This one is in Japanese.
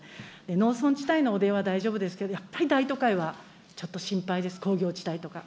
農村地帯の汚泥は大丈夫ですけど、やっぱり大都会はちょっと心配です、工業地帯とか。